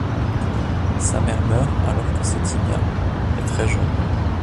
Sa mère meurt alors que Settimia est très jeune.